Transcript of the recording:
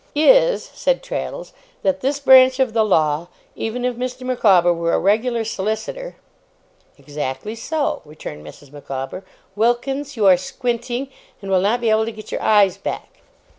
' Is,' said Traddles, 'that this branch of the law, even if Mr. Micawber were a regular solicitor ' 'Exactly so,' returned Mrs. Micawber. ['Wilkins, you are squinting, and will not be able to get your eyes back.